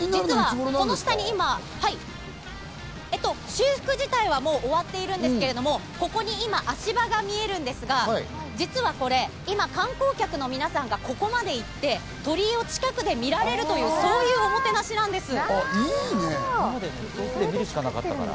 修復自体はもう終わっているんですけど、ここに今、足場が見えるんですが、実はこれ今、観光客の皆さんがここまで行って鳥居を近くで見られるという、そういうおもてなしなんです。